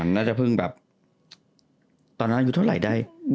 น่าจะเพิ่งแบบตอนนั้นอายุเท่าไหร่ได้